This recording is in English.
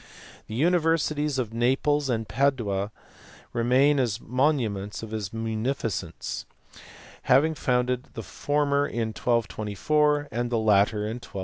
The universities of Naples and Padua remain as monuments of his munificence ; he having founded the former in 1224, and the latter in 1238.